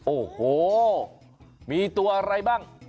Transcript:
โอ้โหมีตัวอะไรบ้าง